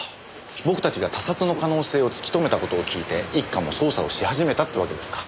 僕たちが他殺の可能性を突き止めた事を聞いて一課も捜査をし始めたってわけですか。